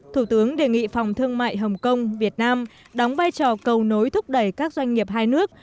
thủ tướng đề nghị phòng thương mại hồng kông việt nam đóng vai trò cầu nối thúc đẩy các doanh nghiệp hai nước